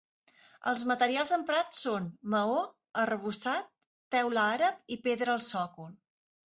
Els materials emprats són: maó, arrebossat, teula àrab i pedra al sòcol.